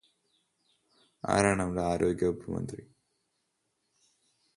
ആരാണ് നമ്മുടെ ആരോഗ്യവകുപ്പ് മന്ത്രി?